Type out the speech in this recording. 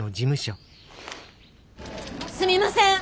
すみません！